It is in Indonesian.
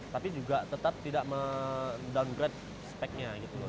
tapi juga tetap tidak men downgrade speknya gitu